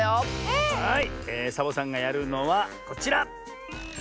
えサボさんがやるのはこちら。